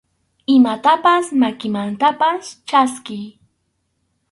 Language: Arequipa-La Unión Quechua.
Imatapas makinmantapas chaskiy.